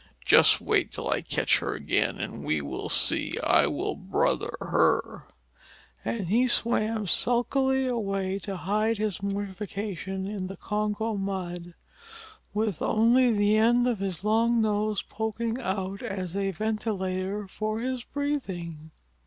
Just wait till I catch her again and we will see. I will brother her!" And he swam sulkily away to hide his mortification in the Congo mud, with only the end of his long nose poking out as a ventilator for his breathing.